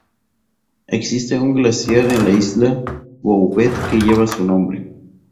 Existe un glaciar en la Isla Bouvet que lleva su nombre.